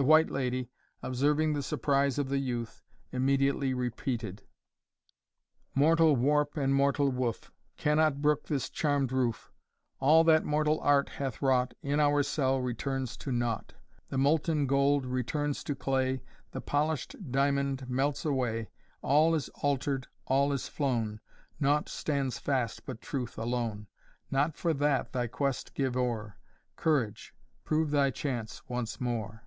The White Lady, observing the surprise of the youth, immediately repeated "Mortal warp and mortal woof. Cannot brook this charmed roof; All that mortal art hath wrought, In our cell returns to nought. The molten gold returns to clay, The polish'd diamond melts away. All is alter'd, all is flown, Nought stands fast but truth alone. Not for that thy quest give o'er: Courage! prove thy chance once more."